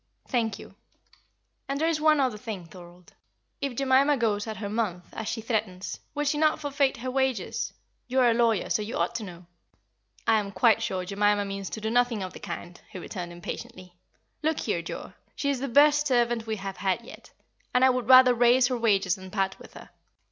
"Thank you. And there is one other thing, Thorold. If Jemima goes at her month, as she threatens, will she not forfeit her wages? You are a lawyer, so you ought to know." "I am quite sure Jemima means to do nothing of the kind," he returned, impatiently. "Look here, Joa, she is the best servant we have had yet, and I would rather raise her wages than part with her.